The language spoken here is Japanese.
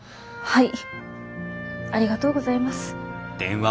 はい。